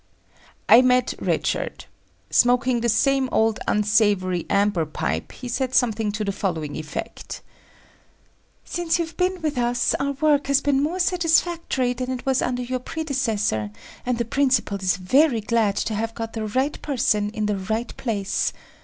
I met Red Shirt. Smoking the same old unsavory amber pipe, he said something to the following effect: "Since you've been with us, our work has been more satisfactory than it was under your predecessor, and the principal is very glad to have got the right person in the right place.